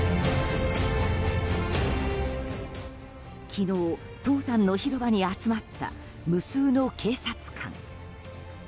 昨日、唐山の広場に集まった無数の警察官。